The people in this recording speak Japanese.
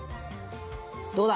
どうだ！